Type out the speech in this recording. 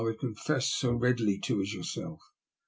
141 would confess so readily as to yourself.